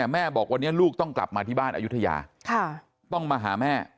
แม่บอกวันนี้ลูกต้องกลับมาที่บ้านอายุทยาต้องมาหาแม่